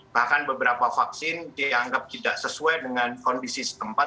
bahkan beberapa vaksin dianggap tidak sesuai dengan kondisi setempat